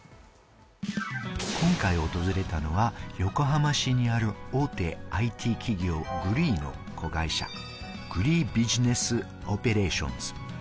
今回、訪れたのは横浜市にある大手ＩＴ企業・グリーの子会社、グリービジネスオペレーションズ。